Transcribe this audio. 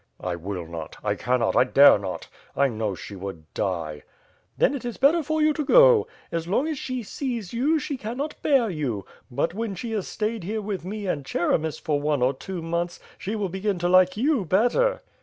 "I will not; I cannot; I dare not. I know she would die.' "Then it is better for you to go. As long as she sees you, she cannot bear you; but, when she has stayed here with me and Cheremis for one or two months, she will begin to like you better."